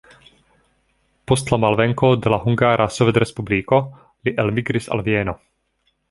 Post la malvenko de la Hungara Sovetrespubliko, li elmigris al Vieno.